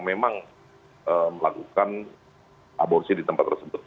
memang melakukan aborsi di tempat tersebut